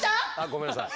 ごめんなさい。